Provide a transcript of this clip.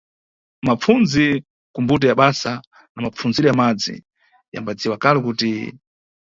Mapfundzi kumbuto ya basa na mapfundziro ya madzi, yambadziwa kale kuti.